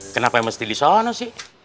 kenapa mesti disana sih